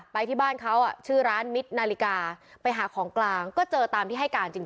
ไปที่บ้านเขาชื่อร้านมิตรนาฬิกาไปหาของกลางก็เจอตามที่ให้การจริง